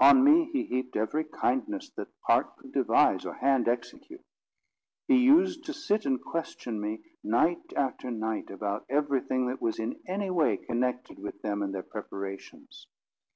On me he heaped every kindness that heart could devise or hand execute. He used to sit and question me, night after night, about everything that was in any way connected with them and their preparations.